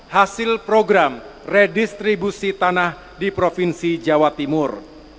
hasil program redistribusi tanah di provinsi jawa timur